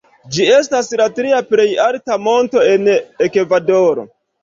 Ĝi estas la tria plej alta monto en Ekvadoro.